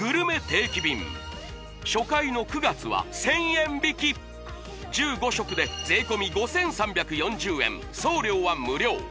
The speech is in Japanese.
定期便初回の９月は１０００円引き１５食で税込５３４０円送料は無料！